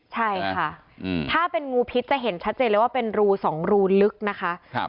ใช่ค่ะถ้าเป็นงูพิษจะเห็นชัดเจนเลยว่าเป็นรูสองรูลึกนะคะ